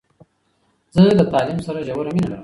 زه له تعلیم سره ژوره مینه لرم.